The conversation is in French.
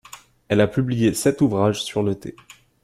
Elle a publié sept ouvrages sur le thé.